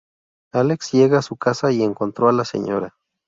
Alex llega a su casa y encontró la Sra.